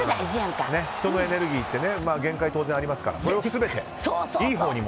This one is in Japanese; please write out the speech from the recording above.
人のエネルギーって限界、当然ありますからそれも含めていいほうに。